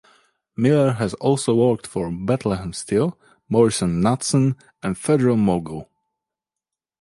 Miller has also worked for Bethlehem Steel, Morrison-Knudson and Federal-Mogul.